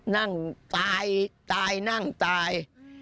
นั่งตายนั่งตาย